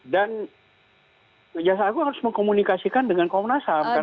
dan jaksagung harus mengkomunikasikan dengan komnasam